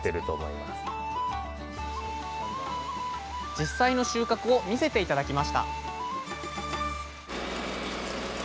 実際の収穫を見せて頂きました